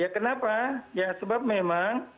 kenapa ya sebab memang